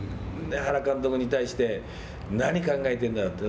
原監督に対して何考えてんだって。